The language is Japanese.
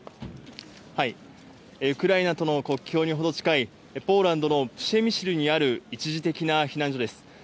ウクライナとの国境に程近い、ポーランドのプシェミシルにある一時的な避難所です。